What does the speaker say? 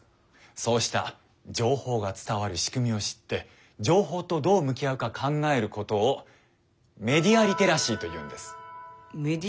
そうした情報が伝わるしくみを知って情報とどう向き合うか考えることをメディア・リテラシー？